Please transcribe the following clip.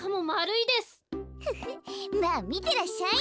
フフまあみてらっしゃい。